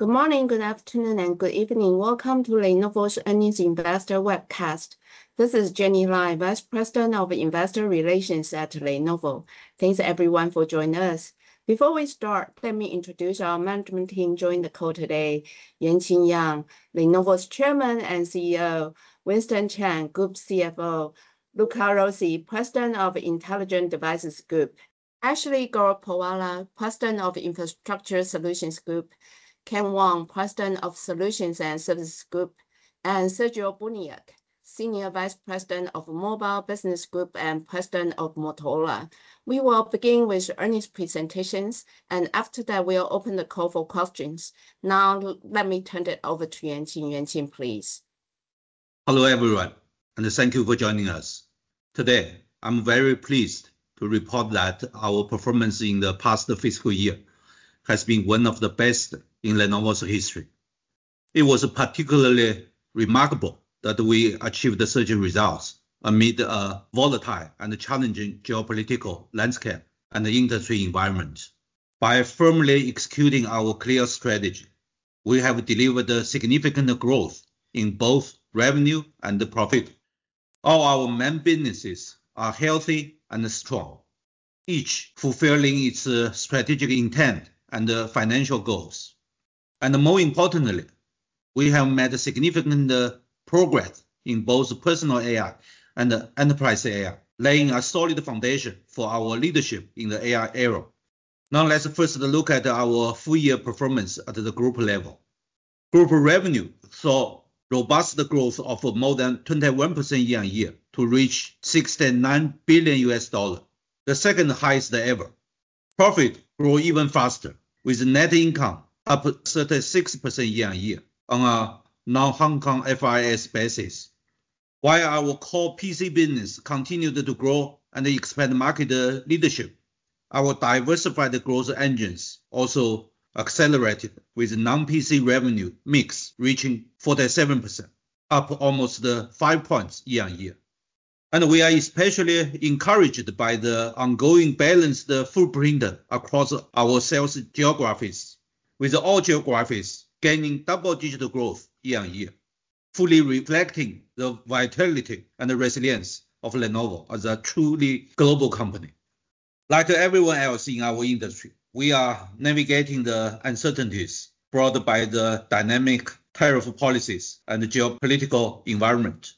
Good morning, good afternoon, and good evening. Welcome to Lenovo's earnings investor webcast. This is Jenny Lai, Vice President of Investor Relations at Lenovo. Thanks, everyone, for joining us. Before we start, let me introduce our management team joined the call today: Yuanqing Yang, Lenovo's Chairman and CEO; Winston Cheng, Group CFO; Luca Rossi, President of Intelligent Devices Group; Ashley Gorakhpurwalla, President of Infrastructure Solutions Group; Ken Wong, President of Solutions and Services Group; and Sergio Buniac, Senior Vice President of Mobile Business Group and President of Motorola. We will begin with earnings presentations, and after that, we'll open the call for questions. Now, let me turn it over to Yuanqing. Yuanqing, please. Hello, everyone, and thank you for joining us. Today, I'm very pleased to report that our performance in the past fiscal year has been one of the best in Lenovo's history. It was particularly remarkable that we achieved such results amid a volatile and challenging geopolitical landscape and industry environment. By firmly executing our clear strategy, we have delivered significant growth in both revenue and profit. All our main businesses are healthy and strong, each fulfilling its strategic intent and financial goals. More importantly, we have made significant progress in both personal AI and enterprise AI, laying a solid foundation for our leadership in the AI era. Now, let's first look at our full-year performance at the group level. Group revenue saw robust growth of more than 21% year-on-year to reach $69 billion, the second highest ever. Profit grew even faster, with net income up 36% year-on-year on a non-HKFRS basis. While our core PC business continued to grow and expand market leadership, our diversified growth engines also accelerated, with non-PC revenue mix reaching 47%, up almost 5 percentage points year-on-year. We are especially encouraged by the ongoing balanced footprint across our sales geographies, with all geographies gaining double-digit growth year-on-year, fully reflecting the vitality and resilience of Lenovo as a truly global company. Like everyone else in our industry, we are navigating the uncertainties brought by the dynamic tariff policies and geopolitical environment.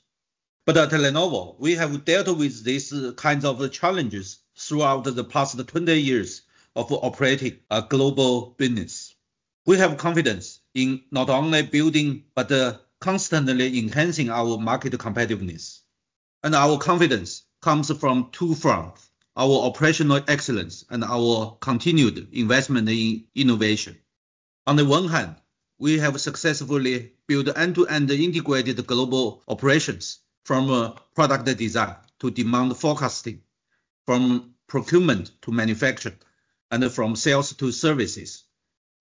At Lenovo, we have dealt with these kinds of challenges throughout the past 20 years of operating a global business. We have confidence in not only building but constantly enhancing our market competitiveness. Our confidence comes from two fronts: our operational excellence and our continued investment in innovation. On the one hand, we have successfully built end-to-end integrated global operations, from product design to demand forecasting, from procurement to manufacturing, and from sales to services.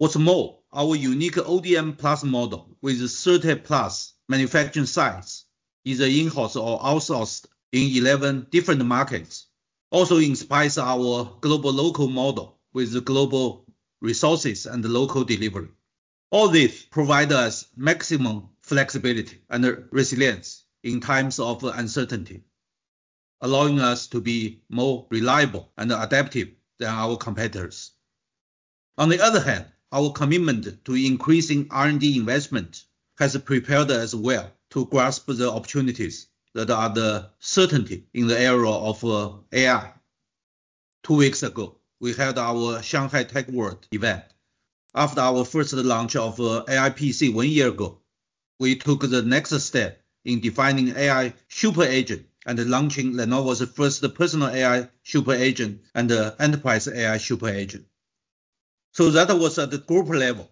What's more, our unique ODM Plus model, with 30+ manufacturing sites, is in-house or outsourced in 11 different markets. It also inspires our global local model with global resources and local delivery. All this provides us maximum flexibility and resilience in times of uncertainty, allowing us to be more reliable and adaptive than our competitors. On the other hand, our commitment to increasing R&D investment has prepared us well to grasp the opportunities that are the certainty in the era of AI. Two weeks ago, we held our Shanghai Tech World event. After our first launch of AI PC one year ago, we took the next step in defining AI super agent and launching Lenovo's first personal AI super agent and enterprise AI super agent. That was at the group level.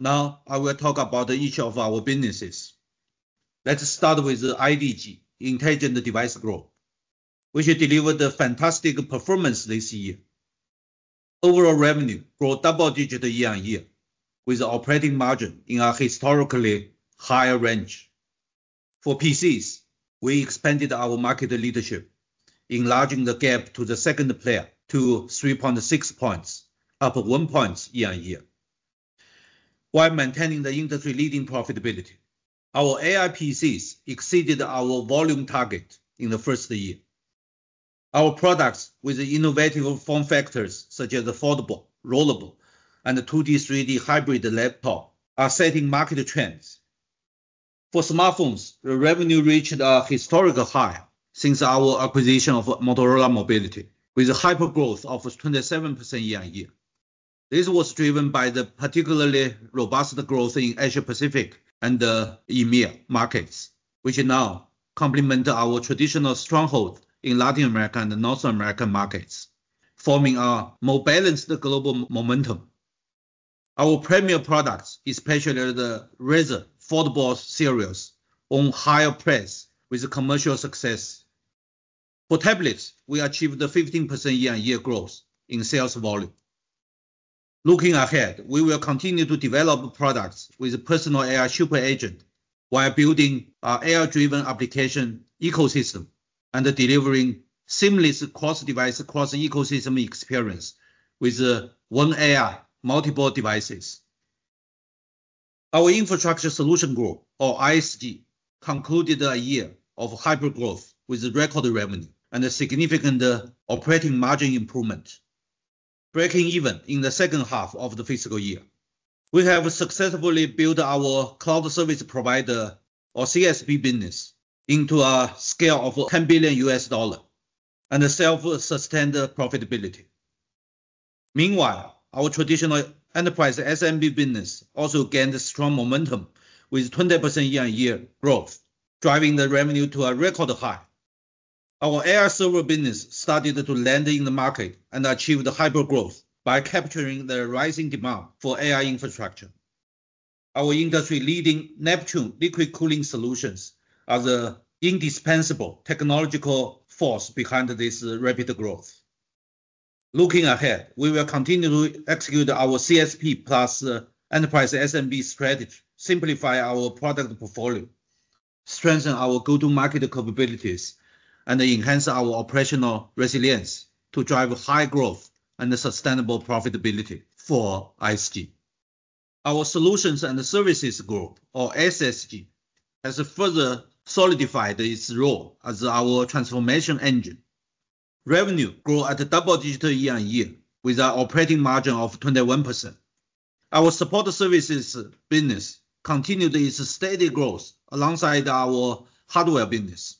Now, I will talk about each of our businesses. Let's start with IDG, Intelligent Device Group, which delivered fantastic performance this year. Overall revenue grew double-digit year-on-year, with operating margin in a historically high range. For PCs, we expanded our market leadership, enlarging the gap to the second player to 3.6 points, up 1 point year-on-year. While maintaining the industry-leading profitability, our AI PCs exceeded our volume target in the first year. Our products, with innovative form factors such as foldable, rollable, and 2D/3D hybrid laptop, are setting market trends. For smartphones, the revenue reached a historical high since our acquisition of Motorola, with a hyper growth of 27% year-on-year. This was driven by the particularly robust growth in Asia-Pacific and the EMEA markets, which now complement our traditional strongholds in Latin America and North America markets, forming a more balanced global momentum. Our premier products, especially the Razr foldable series, won higher praise with commercial success. For tablets, we achieved 15% year-on-year growth in sales volume. Looking ahead, we will continue to develop products with personal AI super agent while building our AI-driven application ecosystem and delivering seamless cross-device, cross-ecosystem experience with one AI, multiple devices. Our Infrastructure Solutions Group, or ISG, concluded a year of hyper growth with record revenue and significant operating margin improvement, breaking even in the second half of the fiscal year. We have successfully built our cloud service provider, or CSP business, into a scale of $10 billion and self-sustained profitability. Meanwhile, our traditional enterprise SMB business also gained strong momentum with 20% year-on-year growth, driving the revenue to a record high. Our AI server business started to land in the market and achieved hyper growth by capturing the rising demand for AI infrastructure. Our industry-leading Neptune liquid cooling solutions are the indispensable technological force behind this rapid growth. Looking ahead, we will continue to execute our CSP plus enterprise SMB strategy, simplify our product portfolio, strengthen our go-to-market capabilities, and enhance our operational resilience to drive high growth and sustainable profitability for ISG. Our Solutions and Services Group, or SSG, has further solidified its role as our transformation engine. Revenue grew at double-digit year-on-year with an operating margin of 21%. Our support services business continued its steady growth alongside our hardware business.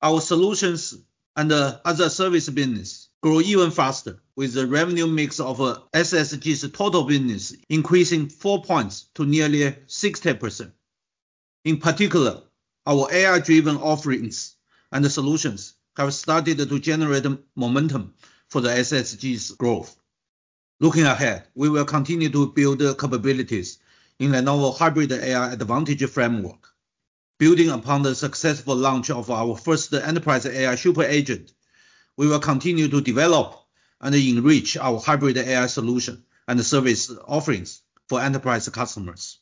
Our solutions and other service business grew even faster, with the revenue mix of SSG's total business increasing 4 percentage points to nearly 60%. In particular, our AI-driven offerings and solutions have started to generate momentum for the SSG's growth. Looking ahead, we will continue to build capabilities in Lenovo's hybrid AI advantage framework. Building upon the successful launch of our first enterprise AI super agent, we will continue to develop and enrich our hybrid AI solution and service offerings for enterprise customers.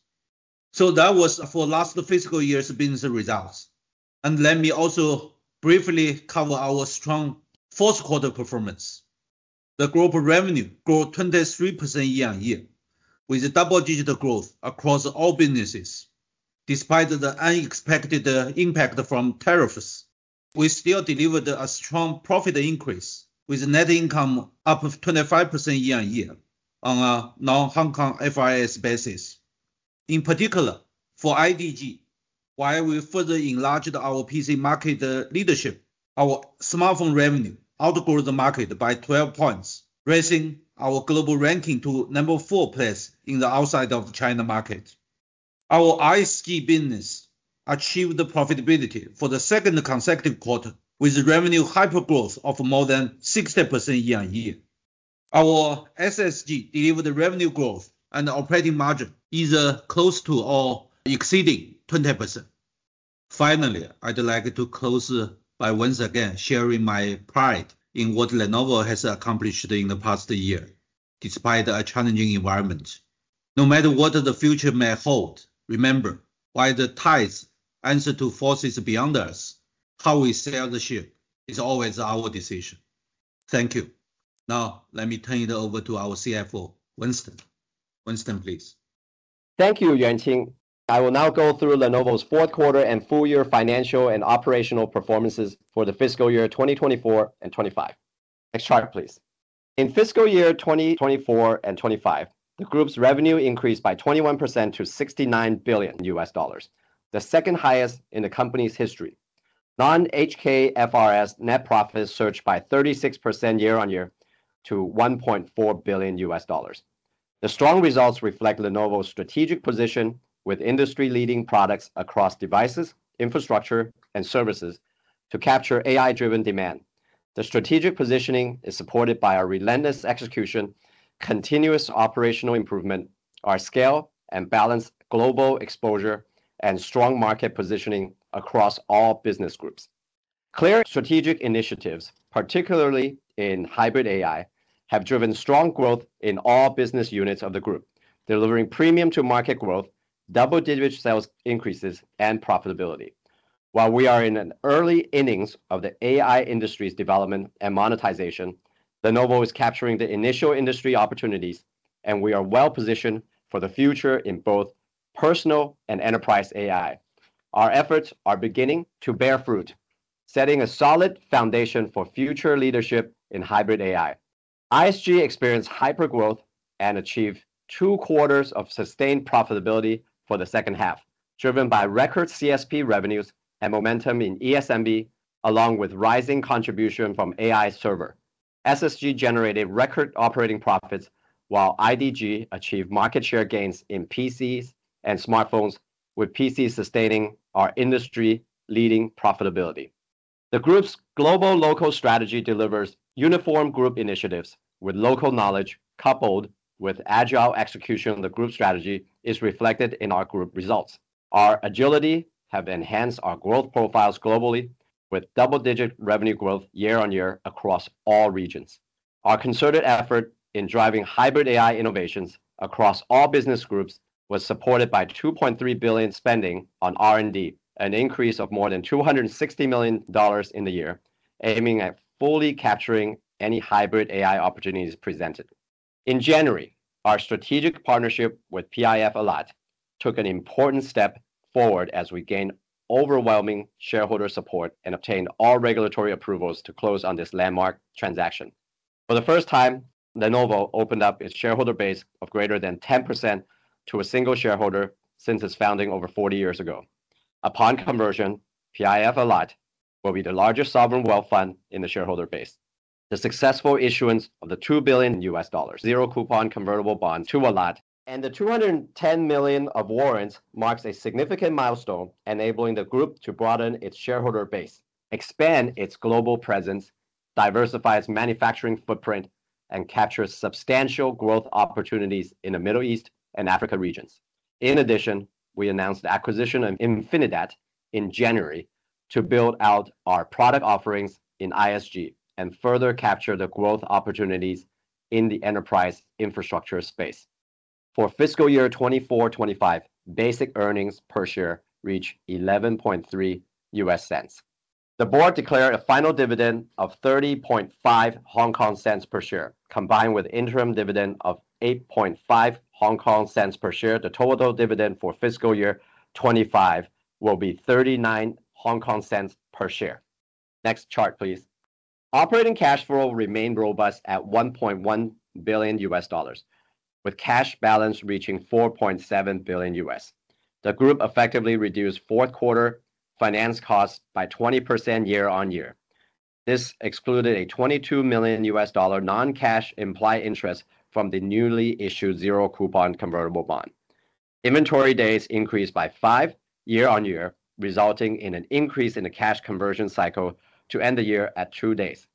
That was for last fiscal year's business results. Let me also briefly cover our strong fourth-quarter performance. The group revenue grew 23% year-on-year with double-digit growth across all businesses. Despite the unexpected impact from tariffs, we still delivered a strong profit increase with net income up 25% year-on-year on a non-HKFRS basis. In particular, for IDG, while we further enlarged our PC market leadership, our smartphone revenue outgrew the market by 12 points, raising our global ranking to number four place in the outside of China market. Our ISG business achieved profitability for the second consecutive quarter with revenue hyper growth of more than 60% year-on-year. Our SSG delivered revenue growth and operating margin either close to or exceeding 20%. Finally, I'd like to close by once again sharing my pride in what Lenovo has accomplished in the past year, despite a challenging environment. No matter what the future may hold, remember, while the tides answer to forces beyond us, how we sail the ship is always our decision. Thank you. Now, let me turn it over to our CFO, Winston. Winston, please. Thank you, Yuanqing. I will now go through Lenovo's fourth quarter and full-year financial and operational performances for the fiscal year 2024 and 2025. Next chart, please. In fiscal year 2024 and 2025, the group's revenue increased by 21% to $69 billion, the second highest in the company's history. Non-HKFRS net profits surged by 36% year-on-year to $1.4 billion. The strong results reflect Lenovo's strategic position with industry-leading products across devices, infrastructure, and services to capture AI-driven demand. The strategic positioning is supported by our relentless execution, continuous operational improvement, our scale and balanced global exposure, and strong market positioning across all business groups. Clear strategic initiatives, particularly in hybrid AI, have driven strong growth in all business units of the group, delivering premium-to-market growth, double-digit sales increases, and profitability. While we are in the early innings of the AI industry's development and monetization, Lenovo is capturing the initial industry opportunities, and we are well-positioned for the future in both personal and enterprise AI. Our efforts are beginning to bear fruit, setting a solid foundation for future leadership in hybrid AI. ISG experienced hyper growth and achieved two quarters of sustained profitability for the second half, driven by record CSP revenues and momentum in ESMB, along with rising contribution from AI server. SSG generated record operating profits, while IDG achieved market share gains in PCs and smartphones, with PCs sustaining our industry-leading profitability. The group's global local strategy delivers uniform group initiatives with local knowledge coupled with agile execution. The group strategy is reflected in our group results. Our agility has enhanced our growth profiles globally, with double-digit revenue growth year-on-year across all regions. Our concerted effort in driving hybrid AI innovations across all business groups was supported by $2.3 billion spending on R&D, an increase of more than $260 million in the year, aiming at fully capturing any hybrid AI opportunities presented. In January, our strategic partnership with PIF Allied took an important step forward as we gained overwhelming shareholder support and obtained all regulatory approvals to close on this landmark transaction. For the first time, Lenovo opened up its shareholder base of greater than 10% to a single shareholder since its founding over 40 years ago. Upon conversion, PIF Allied will be the largest sovereign wealth fund in the shareholder base. The successful issuance of the $2 billion zero-coupon convertible bond to PIF Allied and the $210 million of warrants marks a significant milestone, enabling the group to broaden its shareholder base, expand its global presence, diversify its manufacturing footprint, and capture substantial growth opportunities in the Middle East and Africa regions. In addition, we announced the acquisition of Infinidat in January to build out our product offerings in ISG and further capture the growth opportunities in the enterprise infrastructure space. For fiscal year 2024-2025, basic earnings per share reached $11.30. The board declared a final dividend of $30.50 per share, combined with interim dividend of $8.50 per share. The total dividend for fiscal year 2025 will be $39.00 per share. Next chart, please. Operating cash flow remained robust at $1.1 billion, with cash balance reaching $4.7 billion. The group effectively reduced fourth-quarter finance costs by 20% year-on-year. This excluded a $22 million non-cash implied interest from the newly issued zero-coupon convertible bond. Inventory days increased by five year-on-year, resulting in an increase in the cash conversion cycle to end the year at two days.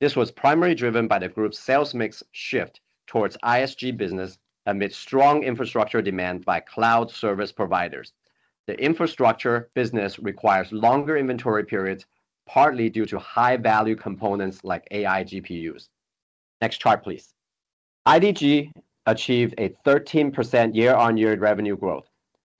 This was primarily driven by the group's sales mix shift towards ISG business amid strong infrastructure demand by cloud service providers. The infrastructure business requires longer inventory periods, partly due to high-value components like AI GPUs. Next chart, please. IDG achieved a 13% year-on-year revenue growth.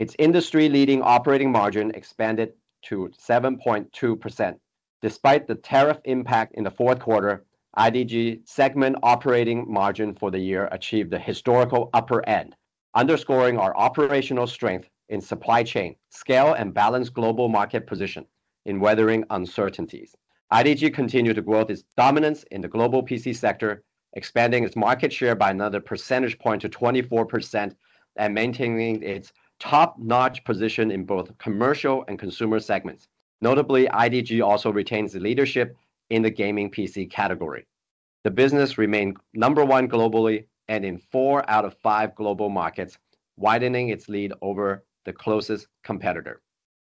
Its industry-leading operating margin expanded to 7.2%. Despite the tariff impact in the fourth quarter, IDG's segment operating margin for the year achieved the historical upper end, underscoring our operational strength in supply chain, scale, and balanced global market position in weathering uncertainties. IDG continued to grow its dominance in the global PC sector, expanding its market share by another percentage point to 24% and maintaining its top-notch position in both commercial and consumer segments. Notably, IDG also retains leadership in the gaming PC category. The business remained number one globally and in four out of five global markets, widening its lead over the closest competitor.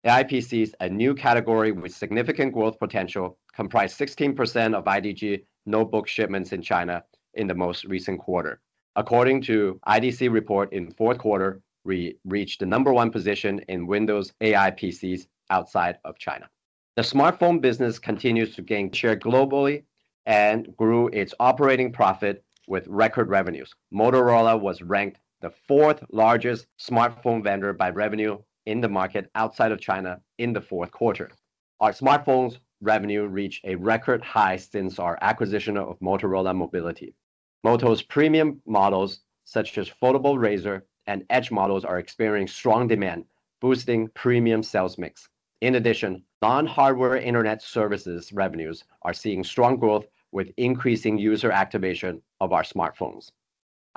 AI PCs, a new category with significant growth potential, comprised 16% of IDG notebook shipments in China in the most recent quarter. According to IDC report, in the fourth quarter, we reached the number one position in Windows AI PCs outside of China. The smartphone business continues to gain share globally and grew its operating profit with record revenues. Motorola was ranked the fourth largest smartphone vendor by revenue in the market outside of China in the fourth quarter. Our smartphones revenue reached a record high since our acquisition of Motorola Mobility. Moto's premium models, such as foldable Razr and Edge models, are experiencing strong demand, boosting premium sales mix. In addition, non-hardware internet services revenues are seeing strong growth with increasing user activation of our smartphones.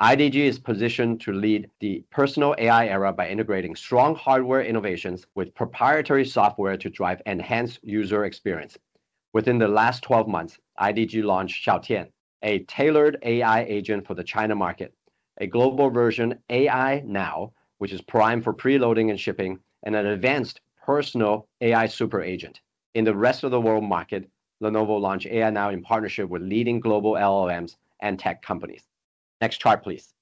IDG is positioned to lead the personal AI era by integrating strong hardware innovations with proprietary software to drive enhanced user experience. Within the last 12 months, IDG launched Xiao Tian, a tailored AI agent for the China market, a global version AI Now, which is primed for preloading and shipping, and an advanced personal AI super agent. In the rest of the world market, Lenovo launched AI Now in partnership with leading global LLMs and tech companies. Next chart, please.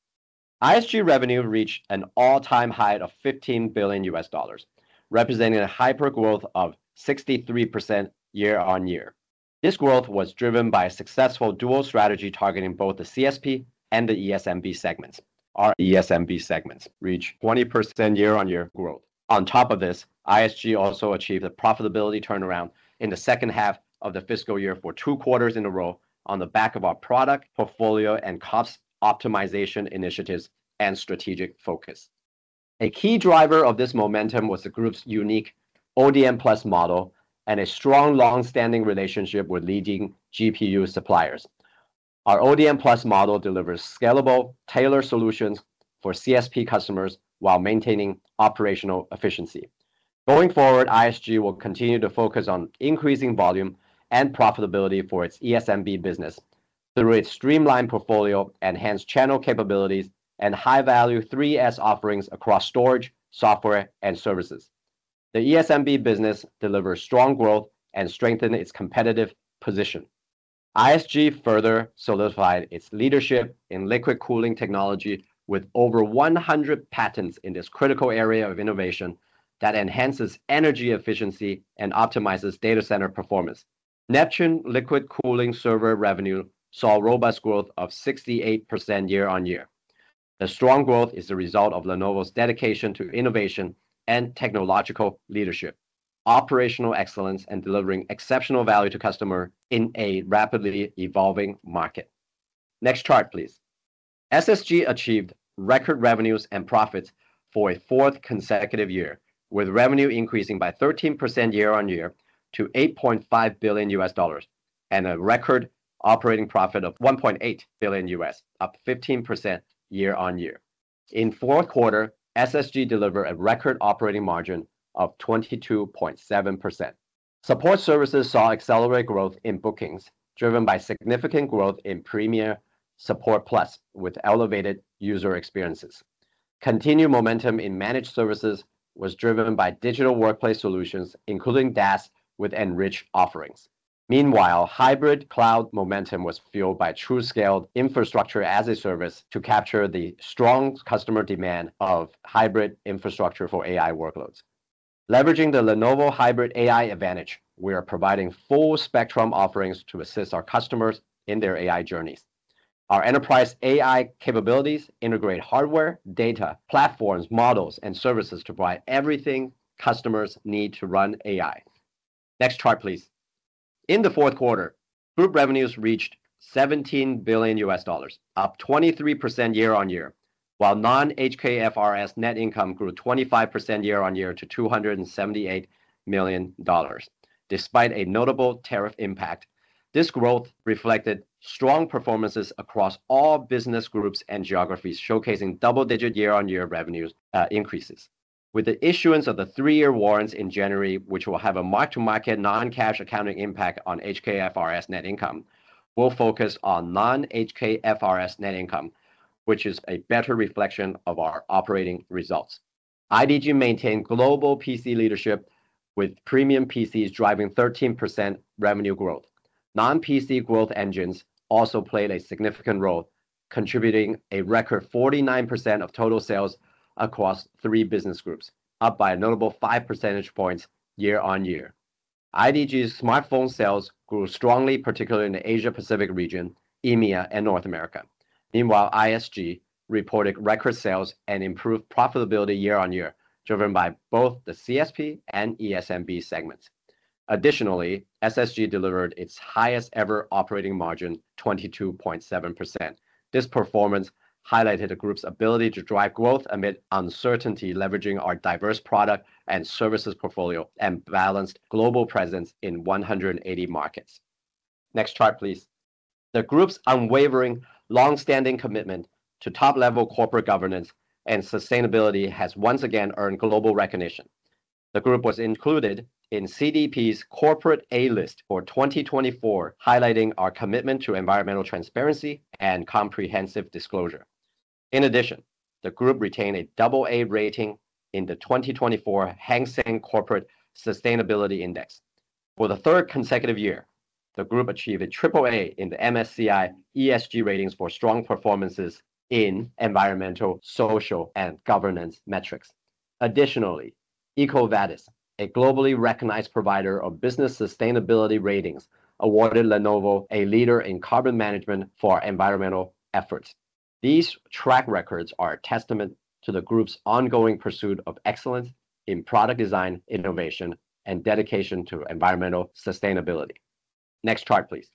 ISG revenue reached an all-time high of $15 billion, representing a hyper growth of 63% year-on-year. This growth was driven by a successful dual strategy targeting both the CSP and the ESMB segments. Our ESMB segments reached 20% year-on-year growth. On top of this, ISG also achieved a profitability turnaround in the second half of the fiscal year for two quarters in a row on the back of our product portfolio and cost optimization initiatives and strategic focus. A key driver of this momentum was the group's unique ODM Plus model and a strong long-standing relationship with leading GPU suppliers. Our ODM Plus model delivers scalable, tailored solutions for CSP customers while maintaining operational efficiency. Going forward, ISG will continue to focus on increasing volume and profitability for its ESMB business through its streamlined portfolio, enhanced channel capabilities, and high-value 3S offerings across storage, software, and services. The ESMB business delivers strong growth and strengthens its competitive position. ISG further solidified its leadership in liquid cooling technology with over 100 patents in this critical area of innovation that enhances energy efficiency and optimizes data center performance. Neptune liquid cooling server revenue saw robust growth of 68% year-on-year. The strong growth is the result of Lenovo's dedication to innovation and technological leadership, operational excellence, and delivering exceptional value to customers in a rapidly evolving market. Next chart, please. SSG achieved record revenues and profits for a fourth consecutive year, with revenue increasing by 13% year-on-year to $8.5 billion and a record operating profit of $1.8 billion, up 15% year-on-year. In the fourth quarter, SSG delivered a record operating margin of 22.7%. Support services saw accelerated growth in bookings, driven by significant growth in Premier Support Plus with elevated user experiences. Continued momentum in managed services was driven by digital workplace solutions, including DAS, with enriched offerings. Meanwhile, hybrid cloud momentum was fueled by true-scaled infrastructure as a service to capture the strong customer demand of hybrid infrastructure for AI workloads. Leveraging the Lenovo Hybrid AI advantage, we are providing full-spectrum offerings to assist our customers in their AI journeys. Our enterprise AI capabilities integrate hardware, data, platforms, models, and services to provide everything customers need to run AI. Next chart, please. In the fourth quarter, group revenues reached $17 billion, up 23% year-on-year, while non-HKFRS net income grew 25% year-on-year to $278 million. Despite a notable tariff impact, this growth reflected strong performances across all business groups and geographies, showcasing double-digit year-on-year revenue increases. With the issuance of the three-year warrants in January, which will have a mark-to-market non-cash accounting impact on HKFRS net income, we'll focus on non-HKFRS net income, which is a better reflection of our operating results. IDG maintained global PC leadership, with premium PCs driving 13% revenue growth. Non-PC growth engines also played a significant role, contributing a record 49% of total sales across three business groups, up by a notable five percentage points year-on-year. IDG's smartphone sales grew strongly, particularly in the Asia-Pacific region, EMEA, and North America. Meanwhile, ISG reported record sales and improved profitability year-on-year, driven by both the CSP and ESMB segments. Additionally, SSG delivered its highest-ever operating margin, 22.7%. This performance highlighted the group's ability to drive growth amid uncertainty, leveraging our diverse product and services portfolio and balanced global presence in 180 markets. Next chart, please. The group's unwavering long-standing commitment to top-level corporate governance and sustainability has once again earned global recognition. The group was included in CDP's Corporate A List for 2024, highlighting our commitment to environmental transparency and comprehensive disclosure. In addition, the group retained a double-A rating in the 2024 Hang Seng Corporate Sustainability Index. For the third consecutive year, the group achieved a triple-A in the MSCI ESG ratings for strong performances in environmental, social, and governance metrics. Additionally, EcoVadis, a globally recognized provider of business sustainability ratings, awarded Lenovo a leader in carbon management for environmental efforts. These track records are a testament to the group's ongoing pursuit of excellence in product design, innovation, and dedication to environmental sustainability. Next chart, please.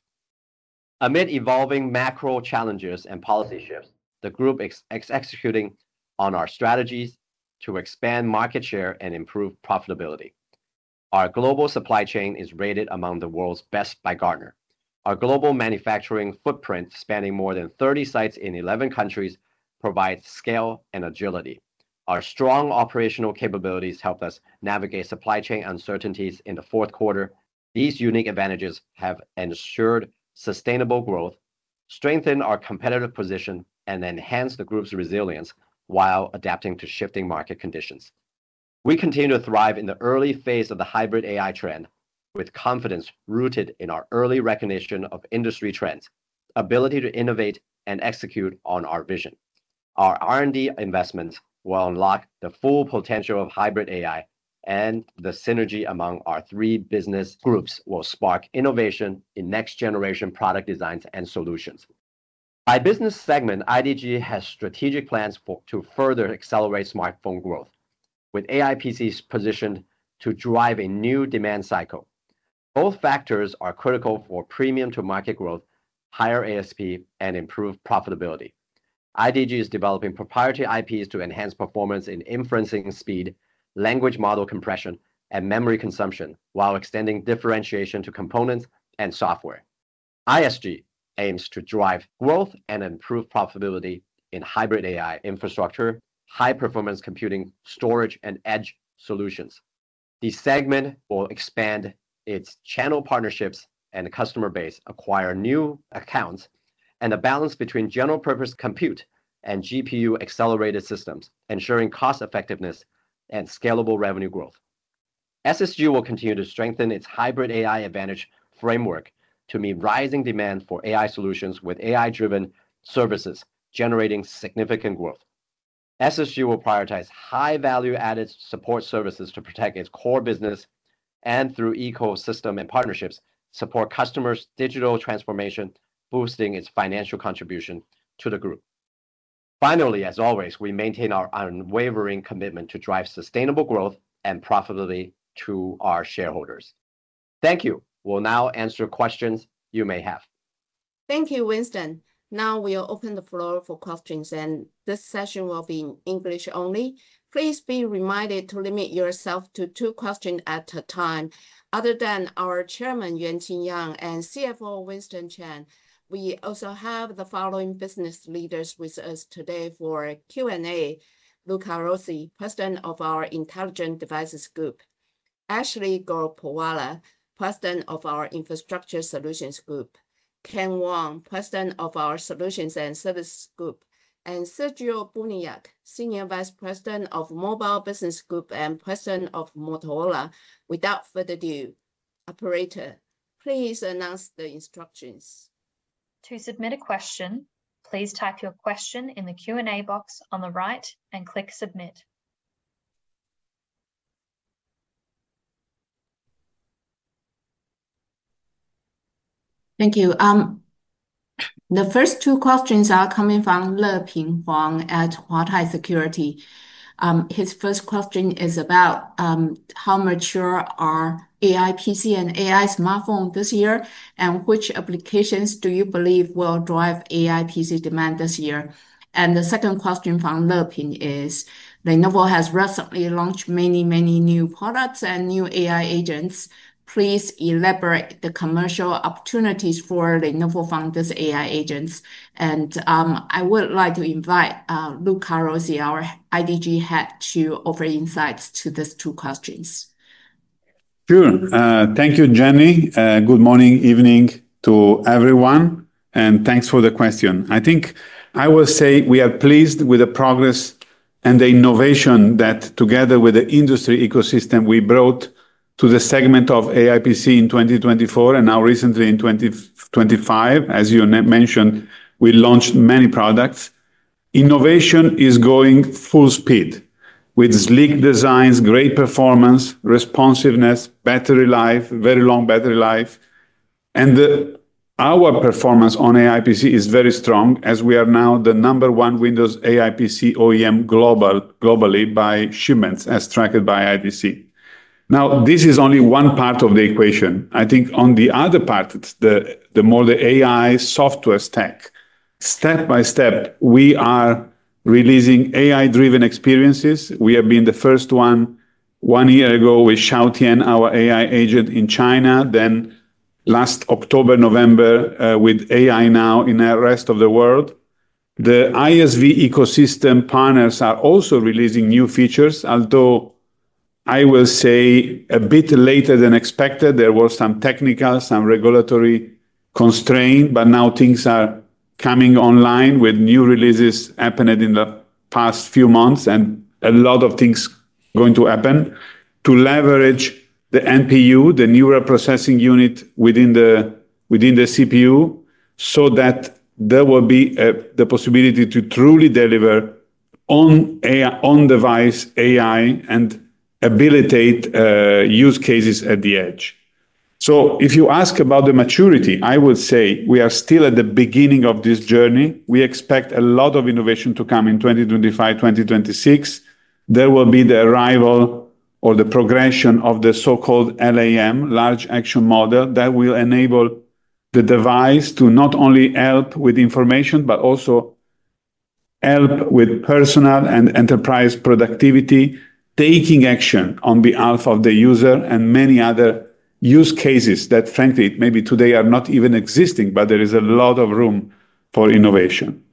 Amid evolving macro challenges and policy shifts, the group is executing on our strategies to expand market share and improve profitability. Our global supply chain is rated among the world's best by Gartner. Our global manufacturing footprint, spanning more than 30 sites in 11 countries, provides scale and agility. Our strong operational capabilities helped us navigate supply chain uncertainties in the fourth quarter. These unique advantages have ensured sustainable growth, strengthened our competitive position, and enhanced the group's resilience while adapting to shifting market conditions. We continue to thrive in the early phase of the hybrid AI trend, with confidence rooted in our early recognition of industry trends, ability to innovate, and execute on our vision. Our R&D investments will unlock the full potential of hybrid AI, and the synergy among our three business groups will spark innovation in next-generation product designs and solutions. By business segment, IDG has strategic plans to further accelerate smartphone growth, with AI PCs positioned to drive a new demand cycle. Both factors are critical for premium-to-market growth, higher ASP, and improved profitability. IDG is developing proprietary IPs to enhance performance in inferencing speed, language model compression, and memory consumption, while extending differentiation to components and software. ISG aims to drive growth and improve profitability in hybrid AI infrastructure, high-performance computing, storage, and edge solutions. The segment will expand its channel partnerships and customer base, acquire new accounts, and a balance between general-purpose compute and GPU-accelerated systems, ensuring cost-effectiveness and scalable revenue growth. SSG will continue to strengthen its hybrid AI advantage framework to meet rising demand for AI solutions, with AI-driven services generating significant growth. SSG will prioritize high-value-added support services to protect its core business and, through ecosystem and partnerships, support customers' digital transformation, boosting its financial contribution to the group. Finally, as always, we maintain our unwavering commitment to drive sustainable growth and profitability to our shareholders. Thank you. We'll now answer questions you may have. Thank you, Winston. Now we'll open the floor for questions, and this session will be in English only. Please be reminded to limit yourself to two questions at a time. Other than our Chairman, Yuanqing Yang, and CFO, Winston Cheng, we also have the following business leaders with us today for Q&A: Luca Rossi, President of our Intelligent Devices Group; Ashley Gorakhpurwalla, President of our Infrastructure Solutions Group; Ken Wong, President of our Solutions and Services Group; and Sergio Buniac, Senior Vice President of Mobile Business Group and President of Motorola. Without further ado, Operator, please announce the instructions. To submit a question, please type your question in the Q&A box on the right and click Submit. Thank you. The first two questions are coming from Leping Huang at Huatai Securities. His first question is about how mature are AI PC and AI smartphones this year, and which applications do you believe will drive AI PC demand this year? The second question from Leping is, Lenovo has recently launched many, many new products and new AI agents. Please elaborate on the commercial opportunities for Lenovo founders' AI agents. I would like to invite Luca Rossi, our IDG head, to offer insights to these two questions. Sure. Thank you, Jenny. Good morning, evening to everyone, and thanks for the question. I think I will say we are pleased with the progress and the innovation that, together with the industry ecosystem, we brought to the segment of AI PC in 2024 and now recently in 2025. As you mentioned, we launched many products. Innovation is going full speed with sleek designs, great performance, responsiveness, battery life, very long battery life. Our performance on AI PC is very strong, as we are now the number one Windows AI PC OEM globally by shipments, as tracked by IDC. Now, this is only one part of the equation. I think on the other part, the more the AI software stack, step by step, we are releasing AI-driven experiences. We have been the first one one year ago with Xiao Tian, our AI agent in China, then last October, November with AI Now in the rest of the world. The ISV ecosystem partners are also releasing new features, although I will say a bit later than expected. There were some technical, some regulatory constraints, but now things are coming online with new releases happening in the past few months and a lot of things going to happen to leverage the NPU, the Neural Processing Unit within the CPU, so that there will be the possibility to truly deliver on-device AI and abilitate use cases at the edge. If you ask about the maturity, I would say we are still at the beginning of this journey. We expect a lot of innovation to come in 2025, 2026. There will be the arrival or the progression of the so-called LAM, Large Action Model, that will enable the device to not only help with information, but also help with personal and enterprise productivity, taking action on behalf of the user and many other use cases that, frankly, maybe today are not even existing, but there is a lot of room for innovation.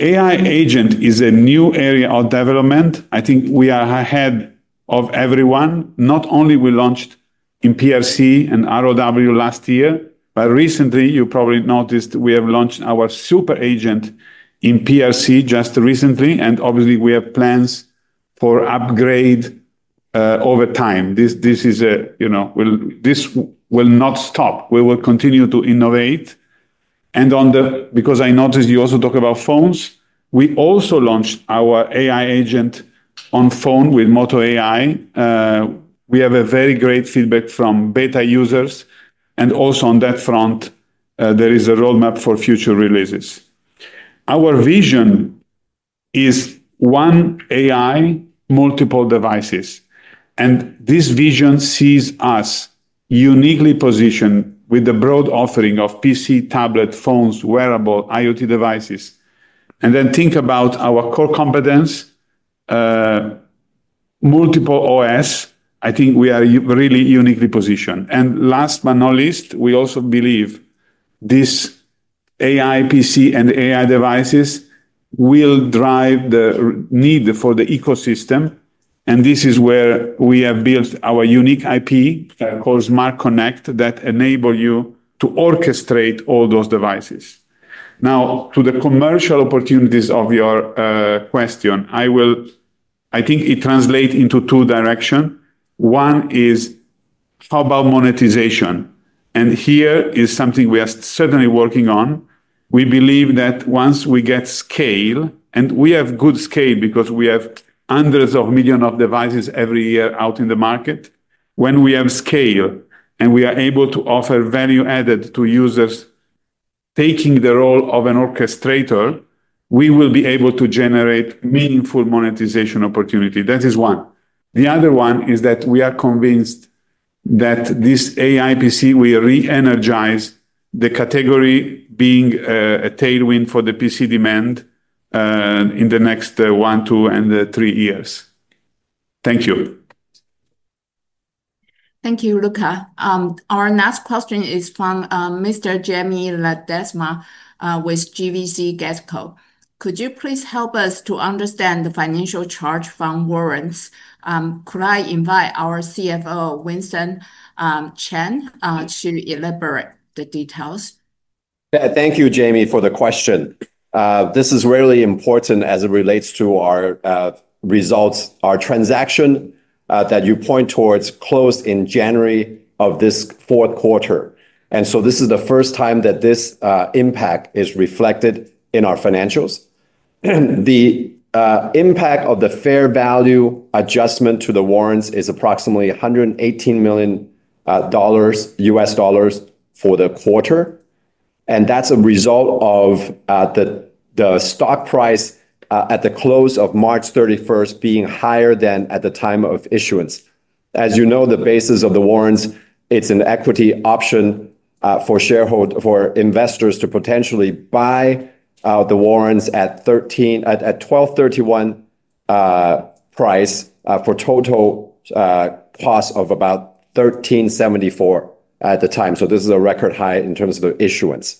AI agent is a new area of development. I think we are ahead of everyone. Not only did we launch in PRC and ROW last year, but recently, you probably noticed, we have launched our super agent in PRC just recently. Obviously, we have plans for upgrade over time. This is a, you know, this will not stop. We will continue to innovate. On the, because I noticed you also talk about phones, we also launched our AI agent on phone with Moto AI. We have a very great feedback from beta users. Also on that front, there is a roadmap for future releases. Our vision is one AI, multiple devices. This vision sees us uniquely positioned with the broad offering of PC, tablet, phones, wearable, IoT devices. Then think about our core competence, multiple OS. I think we are really uniquely positioned. Last but not least, we also believe this AI PC and AI devices will drive the need for the ecosystem. This is where we have built our unique IP called Smart Connect that enables you to orchestrate all those devices. Now, to the commercial opportunities of your question, I will, I think it translates into two directions. One is how about monetization? And here is something we are certainly working on. We believe that once we get scale, and we have good scale because we have hundreds of millions of devices every year out in the market, when we have scale and we are able to offer value added to users, taking the role of an orchestrator, we will be able to generate meaningful monetization opportunity. That is one. The other one is that we are convinced that this AI PC will re-energize the category, being a tailwind for the PC demand in the next one, two, and three years. Thank you. Thank you, Luca. Our next question is from Mr. Jamie Sémelas with GVC Gaesco. Could you please help us to understand the financial charge from warrants? Could I invite our CFO, Winston Cheng, to elaborate the details? Thank you, Jamie, for the question. This is really important as it relates to our results. Our transaction that you point towards closed in January of this fourth quarter. This is the first time that this impact is reflected in our financials. The impact of the fair value adjustment to the warrants is approximately $118 million for the quarter. That is a result of the stock price at the close of March 31 being higher than at the time of issuance. As you know, the basis of the warrants, it is an equity option for shareholders, for investors to potentially buy the warrants at $12.31 price for total cost of about $13.74 at the time. This is a record high in terms of the issuance.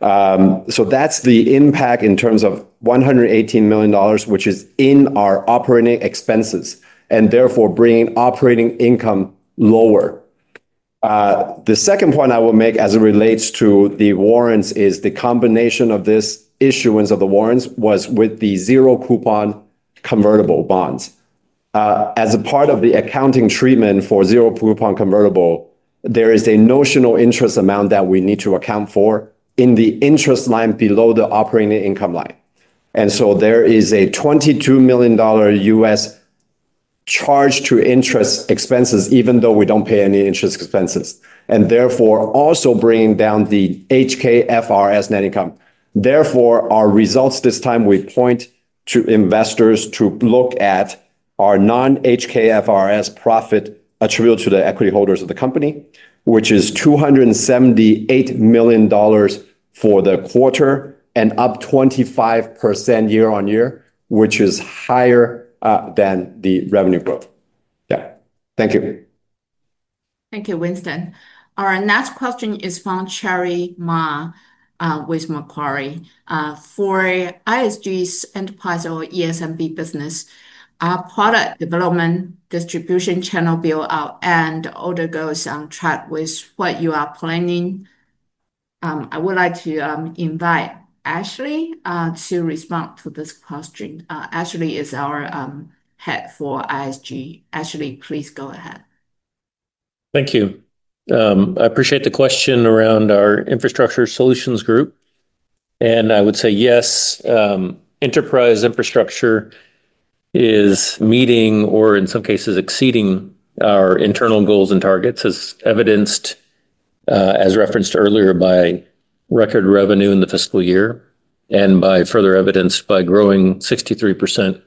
That's the impact in terms of $118 million, which is in our operating expenses and therefore bringing operating income lower. The second point I will make as it relates to the warrants is the combination of this issuance of the warrants was with the zero-coupon convertible bonds. As a part of the accounting treatment for zero-coupon convertible, there is a notional interest amount that we need to account for in the interest line below the operating income line. There is a $22 million U.S. charge to interest expenses, even though we do not pay any interest expenses. Therefore, also bringing down the HKFRS net income. Therefore, our results this time, we point to investors to look at our non-HKFRS profit attributable to the equity holders of the company, which is $278 million for the quarter and up 25% year-on-year, which is higher than the revenue growth. Yeah. Thank you. Thank you, Winston. Our next question is from Cherry Ma with Macquarie. For ISG's enterprise or ESMB business, our product development distribution channel build-out and order goes on track with what you are planning. I would like to invite Ashley to respond to this question. Ashley is our head for ISG. Ashley, please go ahead. Thank you. I appreciate the question around our Infrastructure Solutions Group. I would say yes, enterprise infrastructure is meeting or, in some cases, exceeding our internal goals and targets, as evidenced, as referenced earlier by record revenue in the fiscal year and by further evidenced by growing 63%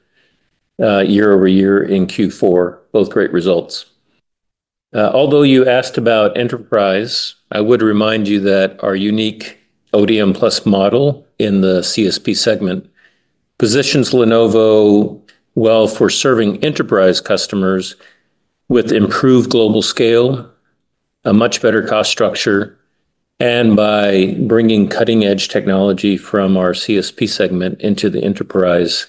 year-over-year in Q4, both great results. Although you asked about enterprise, I would remind you that our unique ODM Plus model in the CSP segment positions Lenovo well for serving enterprise customers with improved global scale, a much better cost structure, and by bringing cutting-edge technology from our CSP segment into the enterprise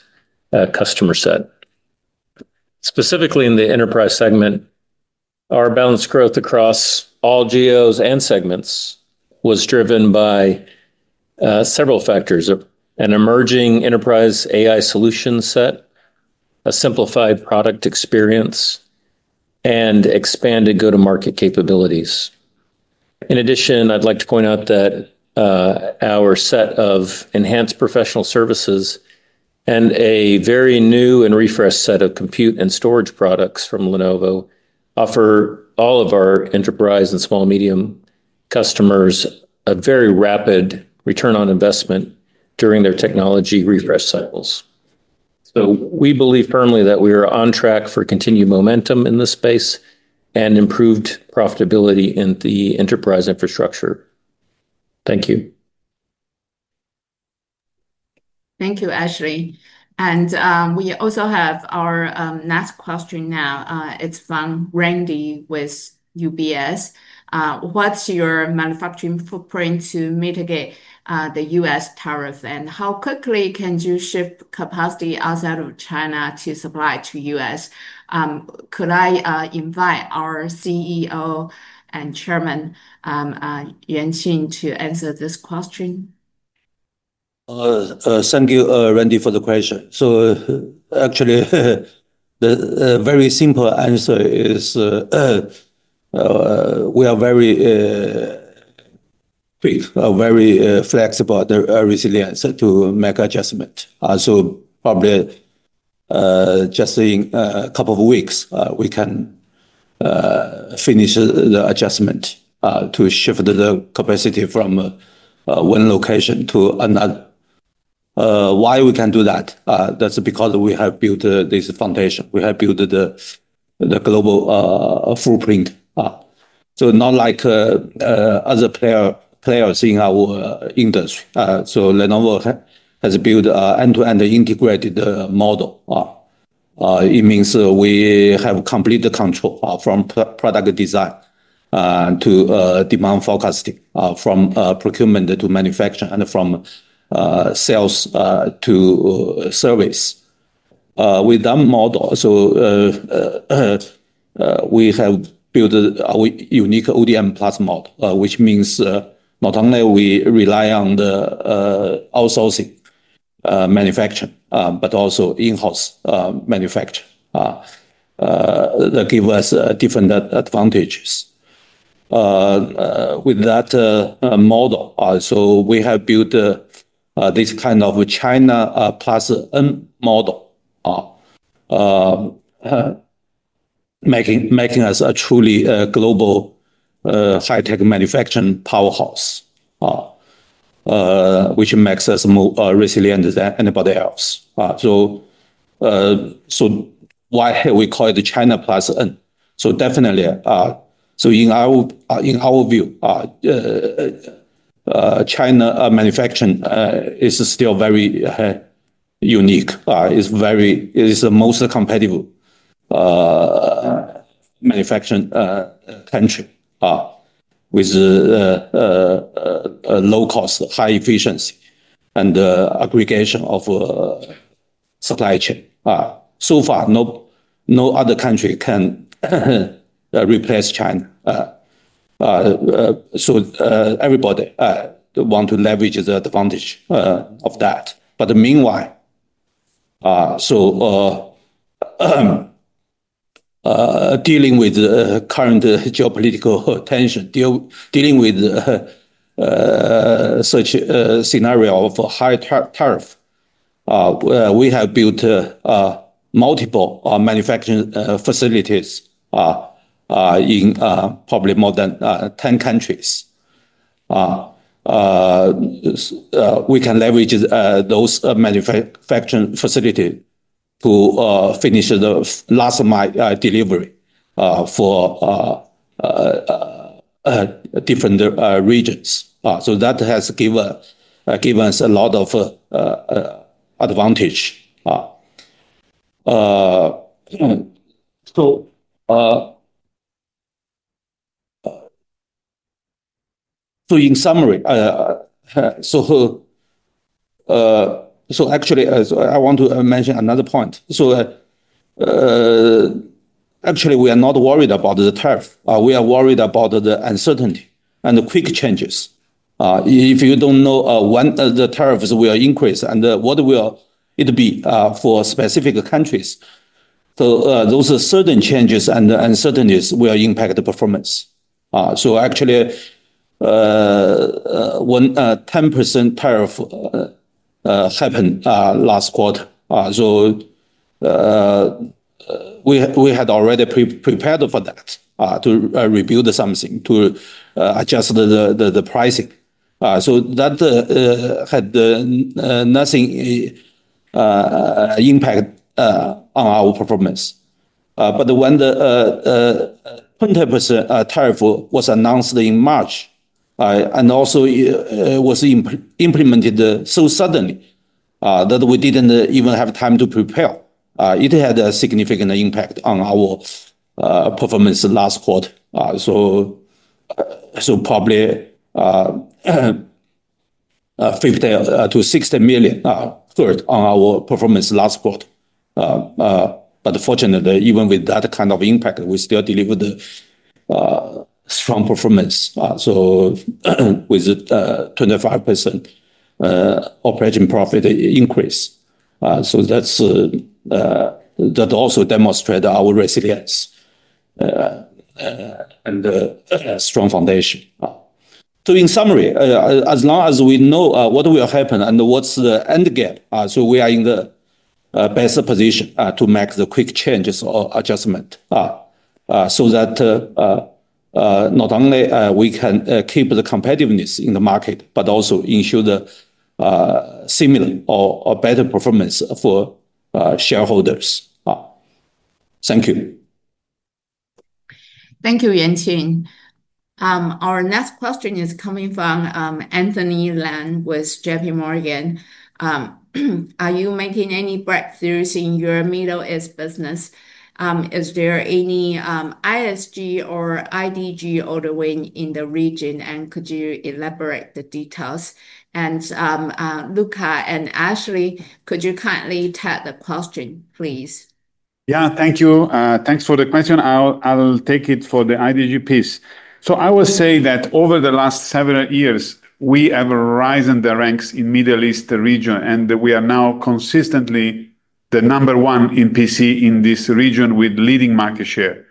customer set. Specifically in the enterprise segment, our balanced growth across all GOs and segments was driven by several factors: an emerging enterprise AI solution set, a simplified product experience, and expanded go-to-market capabilities. In addition, I'd like to point out that our set of enhanced professional services and a very new and refreshed set of compute and storage products from Lenovo offer all of our enterprise and small-medium customers a very rapid return on investment during their technology refresh cycles. We believe firmly that we are on track for continued momentum in this space and improved profitability in the enterprise infrastructure. Thank you. Thank you, Ashley. We also have our next question now. It's from Randy with UBS. What's your manufacturing footprint to mitigate the U.S. tariff? How quickly can you shift capacity outside of China to supply to the U.S.? Could I invite our CEO and Chairman Yuanqing Yang to answer this question? Thank you, Randy, for the question. Actually, the very simple answer is we are very quick, very flexible, resilient to make adjustment. Probably just in a couple of weeks, we can finish the adjustment to shift the capacity from one location to another. Why can we do that? That is because we have built this foundation. We have built the global footprint. Not like other players in our industry, Lenovo has built an end-to-end integrated model. It means we have complete control from product design to demand forecasting, from procurement to manufacturing, and from sales to service. With that model, we have built a unique ODM Plus model, which means not only do we rely on the outsourcing manufacturing, but also in-house manufacturing that gives us different advantages. With that model, we have built this kind of China Plus N model, making us a truly global high-tech manufacturing powerhouse, which makes us more resilient than anybody else. Why have we called it China Plus? Definitely, in our view, China manufacturing is still very unique. It's the most competitive manufacturing country with low cost, high efficiency, and aggregation of supply chain. So far, no other country can replace China. Everybody wants to leverage the advantage of that. Meanwhile, dealing with current geopolitical tension, dealing with such a scenario of high tariff, we have built multiple manufacturing facilities in probably more than 10 countries. We can leverage those manufacturing facilities to finish the last-mile delivery for different regions. That has given us a lot of advantage. In summary, actually, I want to mention another point. Actually, we are not worried about the tariff. We are worried about the uncertainty and the quick changes. If you don't know when the tariffs will increase and what it will be for specific countries, those certain changes and uncertainties will impact the performance. Actually, when a 10% tariff happened last quarter, we had already prepared for that to rebuild something to adjust the pricing. That had nothing impact on our performance. When the 20% tariff was announced in March and also was implemented so suddenly that we didn't even have time to prepare, it had a significant impact on our performance last quarter. Probably $50 million-$60 million hurt on our performance last quarter. Fortunately, even with that kind of impact, we still delivered strong performance with 25% operating profit increase. That also demonstrated our resilience and strong foundation. In summary, as long as we know what will happen and what is the end game, we are in the best position to make quick changes or adjustments so that not only can we keep the competitiveness in the market, but also ensure similar or better performance for shareholders. Thank you. Thank you, Yuanqing. Our next question is coming from Anthony Lan with JPMorgan. Are you making any breakthroughs in your Middle East business? Is there any ISG or IDG ordering in the region? Could you elaborate the details? Luca and Ashley, could you kindly take the question, please? Yeah, thank you. Thanks for the question. I'll take it for the IDG piece. I will say that over the last several years, we have risen the ranks in the Middle East region, and we are now consistently the number one in PC in this region with leading market share.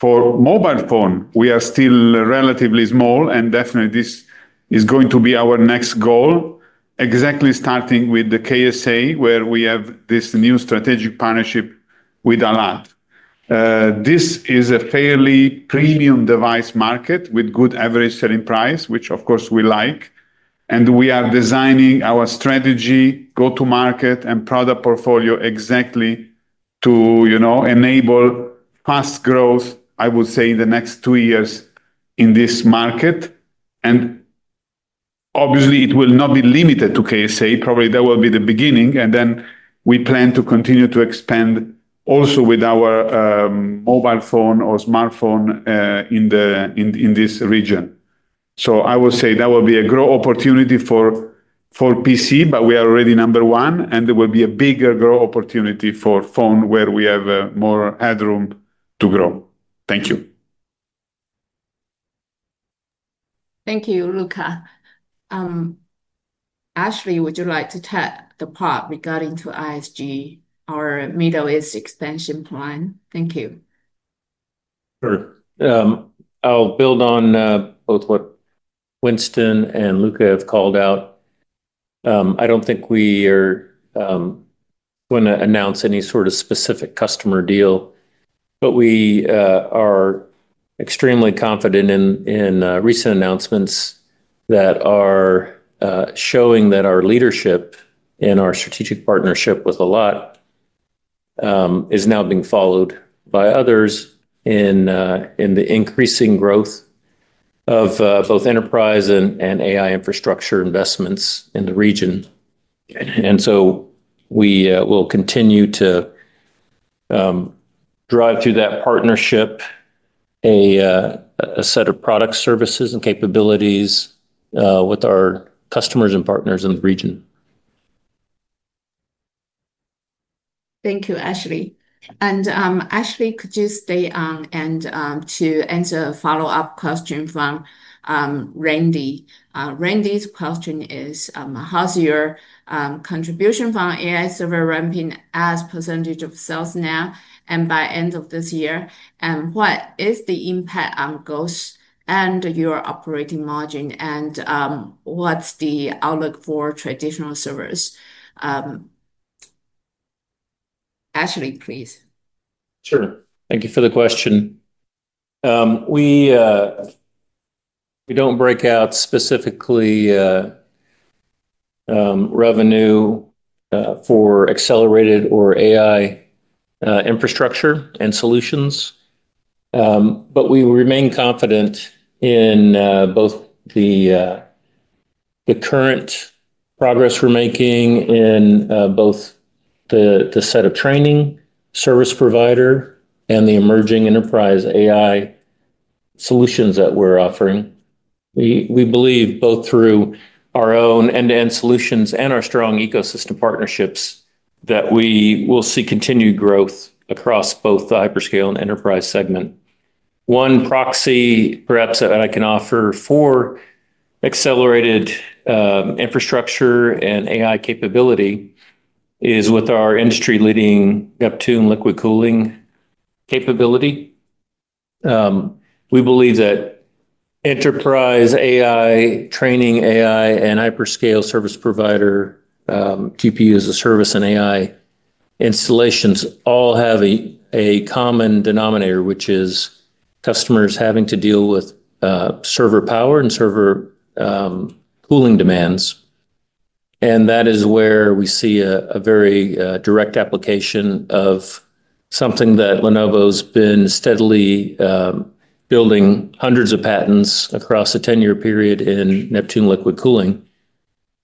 For mobile phone, we are still relatively small, and definitely this is going to be our next goal, exactly starting with the KSA, where we have this new strategic partnership with Alat. This is a fairly premium device market with good average selling price, which, of course, we like. We are designing our strategy, go-to-market, and product portfolio exactly to enable fast growth, I would say, in the next two years in this market. Obviously, it will not be limited to KSA. Probably that will be the beginning. We plan to continue to expand also with our mobile phone or smartphone in this region. I will say that will be a growth opportunity for PC, but we are already number one, and there will be a bigger growth opportunity for phone where we have more headroom to grow. Thank you. Thank you, Luca. Ashley, would you like to take the part regarding ISG, our Middle East expansion plan? Thank you. Sure. I'll build on both what Winston and Luca have called out. I don't think we are going to announce any sort of specific customer deal, but we are extremely confident in recent announcements that are showing that our leadership and our strategic partnership with Alat is now being followed by others in the increasing growth of both enterprise and AI infrastructure investments in the region. We will continue to drive through that partnership a set of product services and capabilities with our customers and partners in the region. Thank you, Ashley. Ashley, could you stay on and answer a follow-up question from Randy? Randy's question is, how's your contribution from AI server ramping as percentage of sales now and by end of this year? What is the impact on growth and your operating margin? What's the outlook for traditional servers? Ashley, please. Sure. Thank you for the question. We do not break out specifically revenue for accelerated or AI infrastructure and solutions, but we remain confident in both the current progress we are making in both the set of training service provider and the emerging enterprise AI solutions that we are offering. We believe both through our own end-to-end solutions and our strong ecosystem partnerships that we will see continued growth across both the hyperscale and enterprise segment. One proxy, perhaps, that I can offer for accelerated infrastructure and AI capability is with our industry-leading Neptune liquid cooling capability. We believe that enterprise AI training, AI, and hyperscale service provider, GPU as a service, and AI installations all have a common denominator, which is customers having to deal with server power and server cooling demands. That is where we see a very direct application of something that Lenovo's been steadily building hundreds of patents across a 10-year period in Neptune liquid cooling.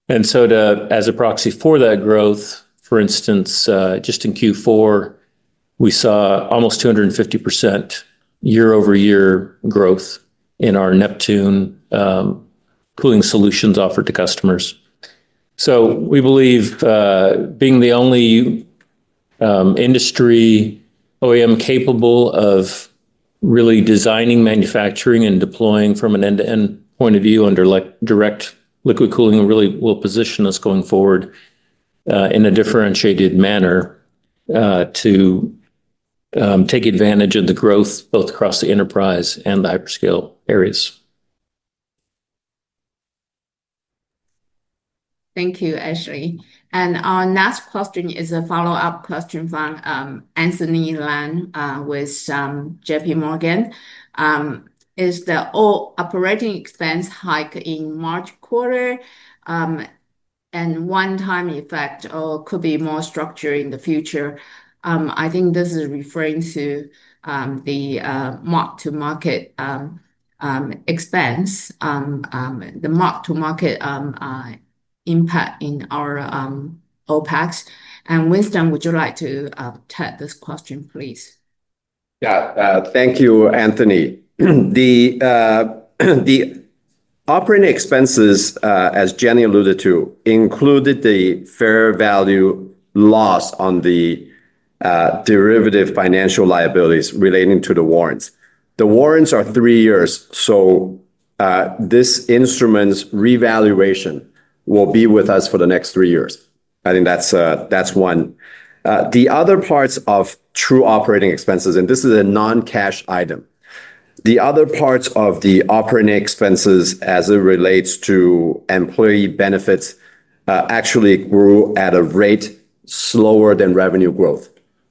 As a proxy for that growth, for instance, just in Q4, we saw almost 250% year-over-year growth in our Neptune cooling solutions offered to customers. We believe being the only industry OEM capable of really designing, manufacturing, and deploying from an end-to-end point of view under direct liquid cooling really will position us going forward in a differentiated manner to take advantage of the growth both across the enterprise and the hyperscale areas. Thank you, Ashley. Our next question is a follow-up question from Anthony Lan with JPMorgan. Is the operating expense hike in March quarter a one-time effect or could it be more structured in the future? I think this is referring to the mark-to-market expense, the mark-to-market impact in our OpEx. Winston, would you like to take this question, please? Yeah. Thank you, Anthony. The operating expenses, as Jenny alluded to, included the fair value loss on the derivative financial liabilities relating to the warrants. The warrants are three years. This instrument's revaluation will be with us for the next three years. I think that's one. The other parts of true operating expenses, and this is a non-cash item, the other parts of the operating expenses as it relates to employee benefits actually grew at a rate slower than revenue growth.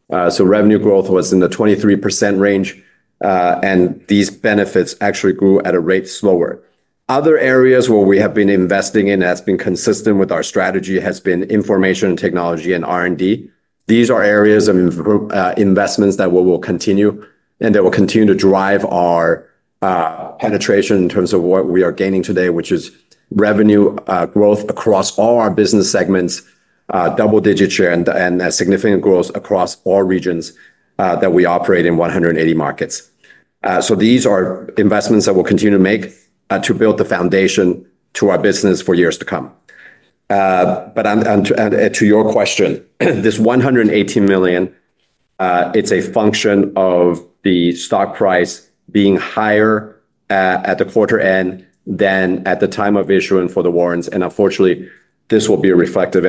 Revenue growth was in the 23% range, and these benefits actually grew at a rate slower. Other areas where we have been investing in that's been consistent with our strategy has been information technology and R&D. These are areas of investments that will continue and that will continue to drive our penetration in terms of what we are gaining today, which is revenue growth across all our business segments, double-digit share, and significant growth across all regions that we operate in 180 markets. These are investments that we'll continue to make to build the foundation to our business for years to come. To your question, this $118 million, it's a function of the stock price being higher at the quarter end than at the time of issuing for the warrants. Unfortunately, this will be reflective.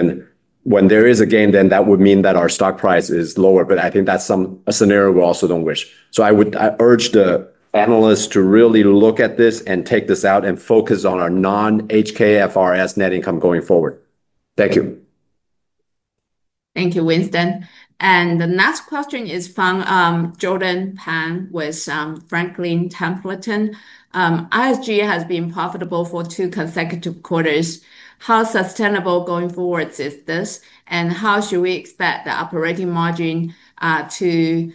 When there is a gain, then that would mean that our stock price is lower. I think that's a scenario we also don't wish. I urge the analysts to really look at this and take this out and focus on our non-HKFRS net income going forward. Thank you. Thank you, Winston. The next question is from Jordan Pan with Franklin Templeton. ISG has been profitable for two consecutive quarters. How sustainable going forward is this? How should we expect the operating margin to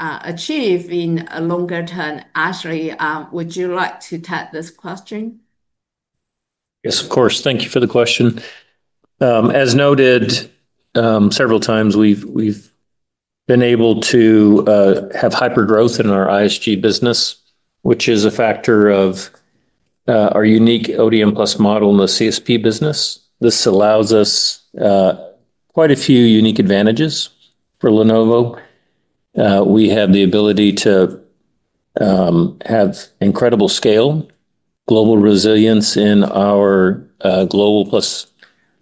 achieve in a longer term? Ashley, would you like to take this question? Yes, of course. Thank you for the question. As noted several times, we've been able to have hypergrowth in our ISG business, which is a factor of our unique ODM Plus model in the CSP business. This allows us quite a few unique advantages for Lenovo. We have the ability to have incredible scale, global resilience in our global plus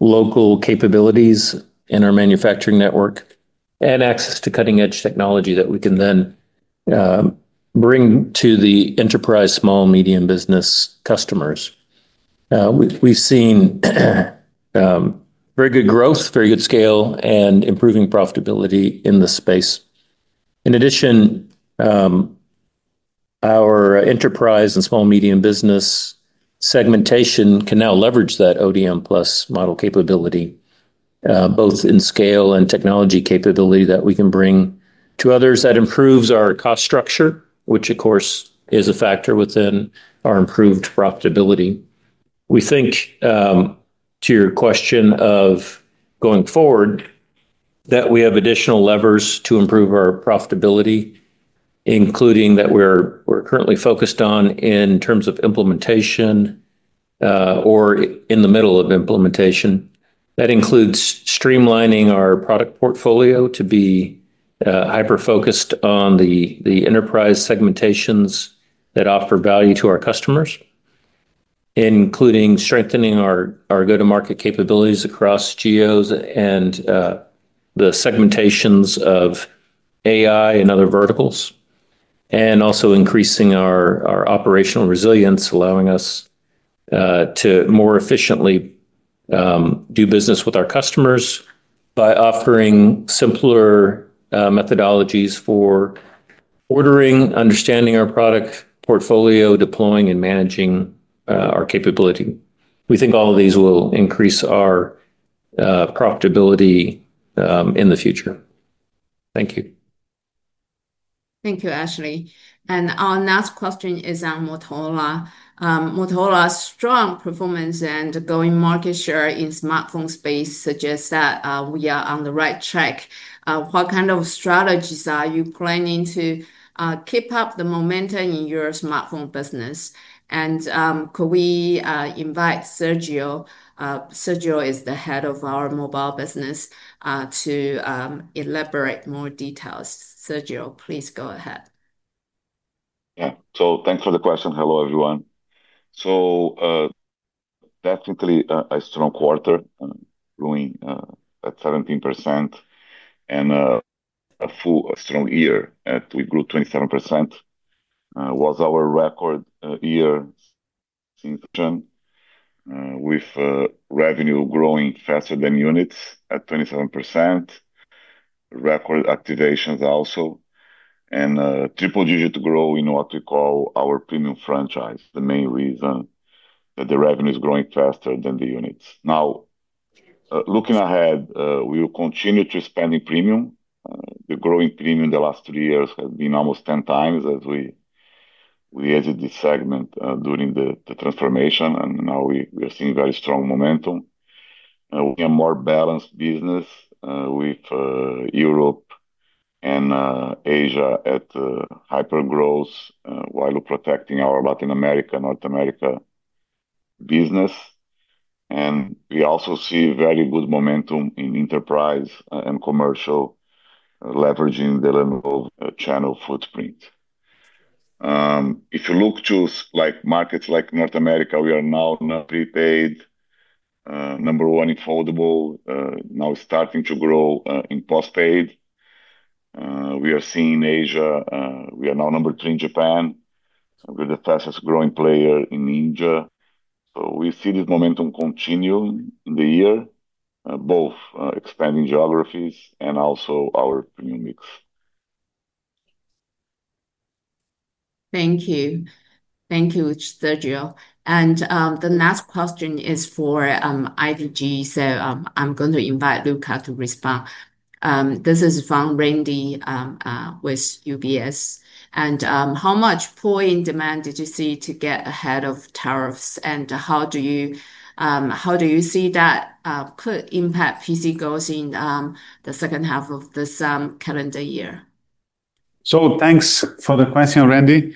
local capabilities in our manufacturing network, and access to cutting-edge technology that we can then bring to the enterprise small and medium business customers. We've seen very good growth, very good scale, and improving profitability in the space. In addition, our enterprise and small and medium business segmentation can now leverage that ODM Plus model capability, both in scale and technology capability that we can bring to others that improves our cost structure, which, of course, is a factor within our improved profitability. We think, to your question of going forward, that we have additional levers to improve our profitability, including that we're currently focused on in terms of implementation or in the middle of implementation. That includes streamlining our product portfolio to be hyper-focused on the enterprise segmentations that offer value to our customers, including strengthening our go-to-market capabilities across geos and the segmentations of AI and other verticals, and also increasing our operational resilience, allowing us to more efficiently do business with our customers by offering simpler methodologies for ordering, understanding our product portfolio, deploying, and managing our capability. We think all of these will increase our profitability in the future. Thank you. Thank you, Ashley. Our next question is on Motorola. Motorola's strong performance and growing market share in the smartphone space suggests that we are on the right track. What kind of strategies are you planning to keep up the momentum in your smartphone business? Could we invite Sergio? Sergio is the head of our mobile business to elaborate more details. Sergio, please go ahead. Yeah. Thanks for the question. Hello, everyone. Definitely a strong quarter, growing at 17%, and a full strong year that we grew 27%. It was our record year since 2020, with revenue growing faster than units at 27%, record activations also, and triple-digit growth in what we call our premium franchise, the main reason that the revenue is growing faster than the units. Now, looking ahead, we will continue to expand in premium. The growing premium in the last three years has been almost 10 times as we exited this segment during the transformation. Now we are seeing very strong momentum. We have a more balanced business with Europe and Asia at hyper growth while protecting our Latin America, North America business. We also see very good momentum in enterprise and commercial, leveraging the Lenovo channel footprint. If you look to markets like North America, we are now number three paid, number one in foldable, now starting to grow in post-paid. We are seeing in Asia, we are now number three in Japan. We are the fastest growing player in India. We see this momentum continue in the year, both expanding geographies and also our premium mix. Thank you. Thank you, Sergio. The next question is for IDG. I'm going to invite Luca to respond. This is from Randy with UBS. How much pull-in demand did you see to get ahead of tariffs? How do you see that could impact PC goals in the second half of this calendar year? Thanks for the question, Randy.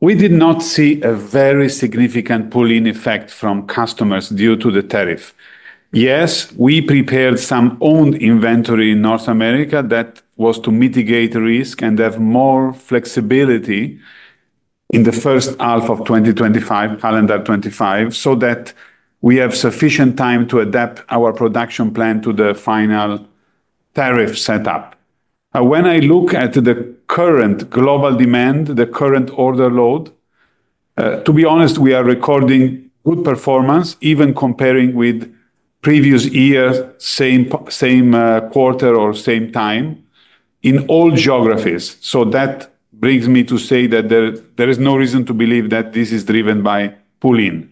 We did not see a very significant pull-in effect from customers due to the tariff. Yes, we prepared some owned inventory in North America that was to mitigate risk and have more flexibility in the first half of 2025, calendar 2025, so that we have sufficient time to adapt our production plan to the final tariff setup. When I look at the current global demand, the current order load, to be honest, we are recording good performance, even comparing with previous year, same quarter or same time in all geographies. That brings me to say that there is no reason to believe that this is driven by pull-in.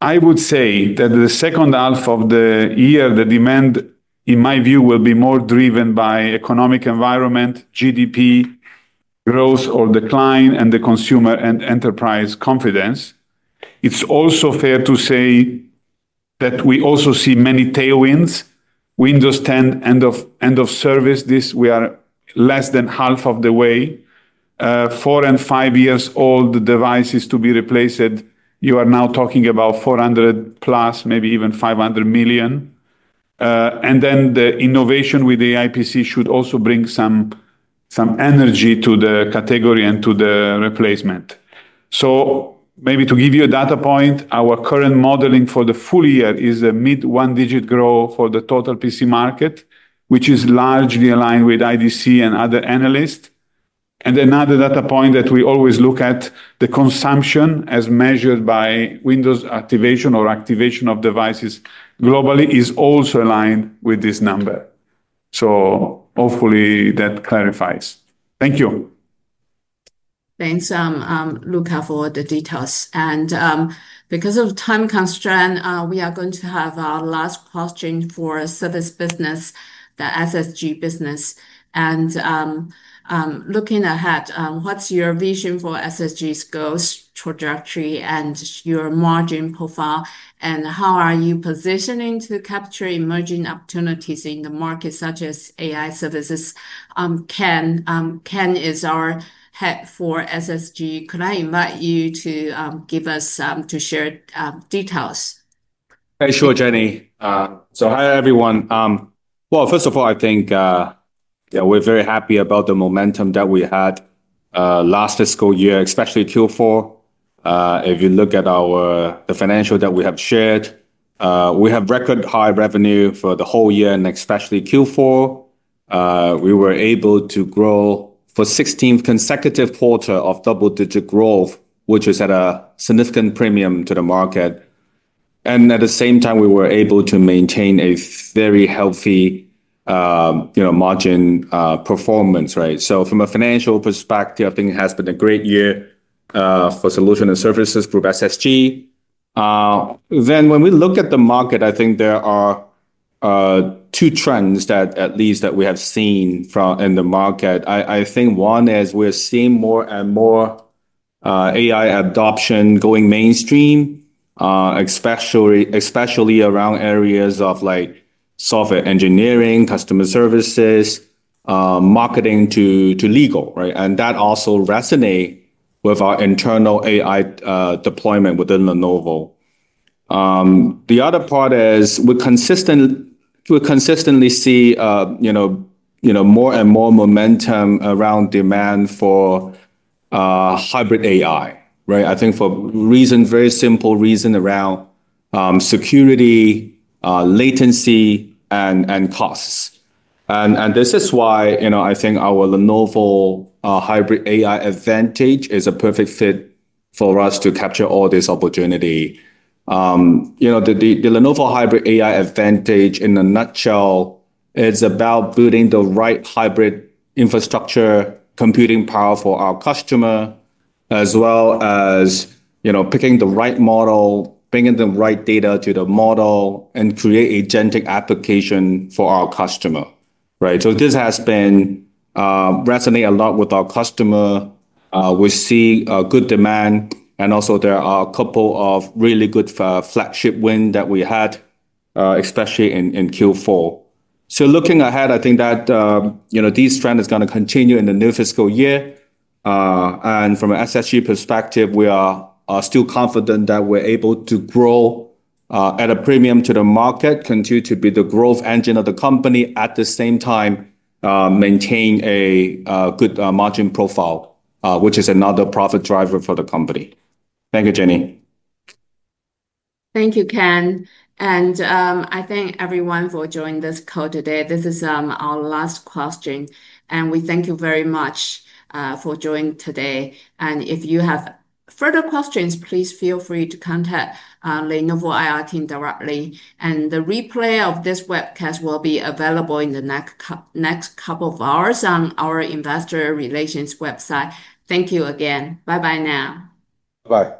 I would say that the second half of the year, the demand, in my view, will be more driven by economic environment, GDP, growth or decline, and the consumer and enterprise confidence. It's also fair to say that we also see many tailwinds. Windows 10 end-of-service, we are less than half of the way. Four- and five-year-old devices to be replaced. You are now talking about 400 plus, maybe even 500 million. The innovation with the AI PC should also bring some energy to the category and to the replacement. Maybe to give you a data point, our current modeling for the full year is a mid-one-digit growth for the total PC market, which is largely aligned with IDC and other analysts. Another data point that we always look at, the consumption as measured by Windows activation or activation of devices globally, is also aligned with this number. Hopefully that clarifies. Thank you. Thanks, Luca, for the details. Because of time constraint, we are going to have our last question for service business, the SSG business. Looking ahead, what's your vision for SSG's growth trajectory and your margin profile? How are you positioning to capture emerging opportunities in the market, such as AI services? Ken is our head for SSG. Could I invite you to share details? Hey, sure, Jenny. Hi, everyone. First of all, I think we're very happy about the momentum that we had last fiscal year, especially Q4. If you look at the financials that we have shared, we have record high revenue for the whole year and especially Q4. We were able to grow for the 16th consecutive quarter of double-digit growth, which is at a significant premium to the market. At the same time, we were able to maintain a very healthy margin performance, right? From a financial perspective, I think it has been a great year for Solution and Services Group SSG. When we look at the market, I think there are two trends that at least that we have seen in the market. I think one is we're seeing more and more AI adoption going mainstream, especially around areas of software engineering, customer services, marketing to legal, right? That also resonates with our internal AI deployment within Lenovo. The other part is we consistently see more and more momentum around demand for hybrid AI, right? I think for very simple reasons around security, latency, and costs. This is why I think our Lenovo hybrid AI advantage is a perfect fit for us to capture all this opportunity. The Lenovo hybrid AI advantage, in a nutshell, is about building the right hybrid infrastructure computing power for our customer, as well as picking the right model, bringing the right data to the model, and creating a genetic application for our customer, right? This has been resonating a lot with our customer. We see good demand. Also, there are a couple of really good flagship wins that we had, especially in Q4. Looking ahead, I think that this trend is going to continue in the new fiscal year. From an SSG perspective, we are still confident that we're able to grow at a premium to the market, continue to be the growth engine of the company, at the same time maintain a good margin profile, which is another profit driver for the company. Thank you, Jenny. Thank you, Ken. I thank everyone for joining this call today. This is our last question. We thank you very much for joining today. If you have further questions, please feel free to contact the Lenovo IR team directly. The replay of this webcast will be available in the next couple of hours on our investor relations website. Thank you again. Bye-bye now. Bye-bye.